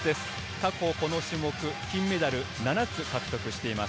過去この種目、金メダルを７つ獲得しています。